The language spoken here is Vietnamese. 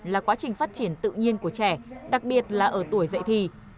là quá trình phát triển tự nhiên của trẻ đặc biệt là ở tuổi dạy thì